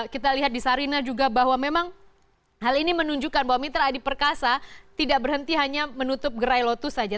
kita lihat di sarina juga bahwa memang hal ini menunjukkan bahwa mitra adi perkasa tidak berhenti hanya menutup gerai lotus saja